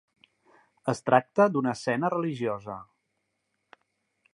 Es tracta d'una escena religiosa.